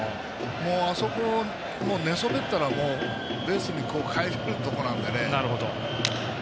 あそこ、寝そべったらベースに帰れるところなので。